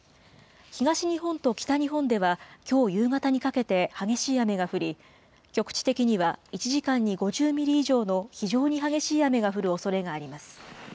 東日本と北日本では、きょう夕方にかけて、激しい雨が降り、局地的には１時間に５０ミリ以上の非常に激しい雨が降るおそれがあります。